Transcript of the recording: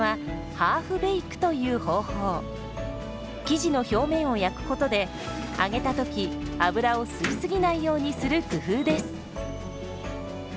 生地の表面を焼くことで揚げた時油を吸い過ぎないようにする工夫です。